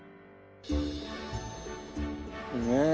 ねえ。